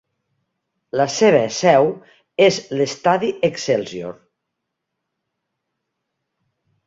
La seva seu és l'estadi Excelsior.